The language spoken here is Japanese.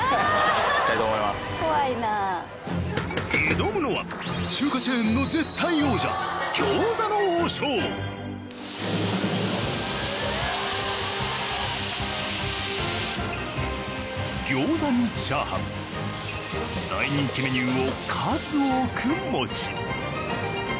挑むのは中華チェーンの絶対王者餃子に炒飯大人気メニューを数多く持ち。